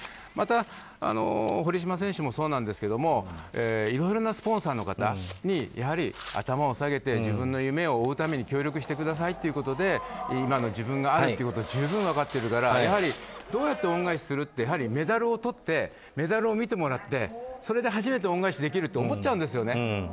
また堀島選手もそうなんですがいろいろなスポンサーの方に頭を下げて自分の夢を追うために協力してくださいってことで今の自分があるということを十分分かってるからどうやって恩返しするってメダルをとってメダルを見てもらってそれで初めて恩返しできると思っちゃうんですよね。